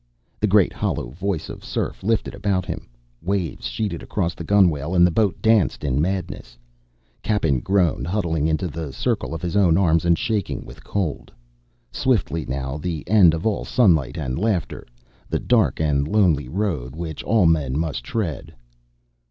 The great hollow voice of surf lifted about him, waves sheeted across the gunwale and the boat danced in madness. Cappen groaned, huddling into the circle of his own arms and shaking with cold. Swiftly, now, the end of all sunlight and laughter, the dark and lonely road which all men must tread.